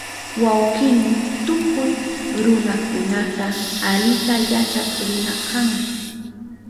Wawkini tukuy ruranakunata alita yachak runa kan